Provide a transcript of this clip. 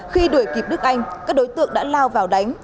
khi đuổi kịp đức anh các đối tượng đã lao vào đánh